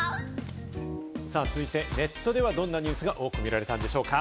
さぁ続いてネットではどんなニュースが多く見られたんでしょうか？